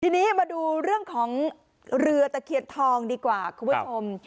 ทีนี้มาดูเรื่องของเรือตะเคียนทองดีกว่าคุณผู้ชม